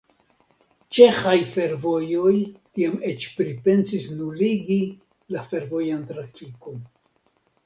Ĉeĥaj Fervojoj tiam eĉ pripensis nuligi la fervojan trafikon.